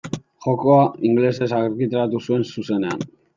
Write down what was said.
Jokoa ingelesez argitaratu zuen zuzenean.